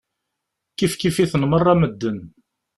Kifkif-iten meṛṛa medden.